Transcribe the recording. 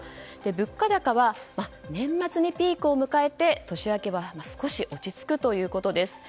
物価高は年末にピークを迎えて年明けは少し落ち着くということです。